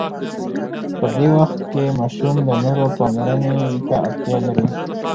په دې وخت کې ماشوم د نورو پاملرنې ته اړتیا لري.